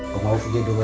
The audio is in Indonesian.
kamu mau sedih dulu ya